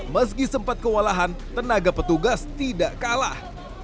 meski sempat kewalahan tenaga petugas tidak kalah